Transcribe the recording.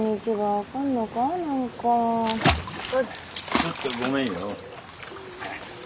ちょっとごめんよ。